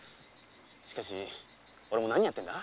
しかし俺も何やってんだ？